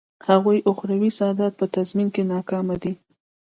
د هغوی اخروي سعادت په تضمین کې ناکامه دی.